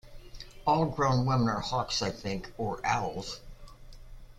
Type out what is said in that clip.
All grown women are hawks, I think, or owls.